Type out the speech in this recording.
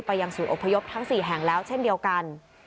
ยังศูนย์อพยพทั้ง๔แห่งแล้วเช่นเดียวกัน